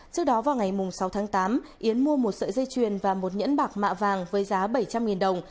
trước đó vào ngày sáu tháng tám yến mua một sợi dây chuyền và một nhẫn bạc mạ vàng với giá bảy trăm linh đồng